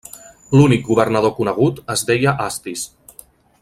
L'únic governador conegut es deia Astis.